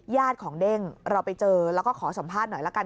ญาติของเด้งเราไปเจอแล้วก็ขอสัมภาษณ์หน่อยละกัน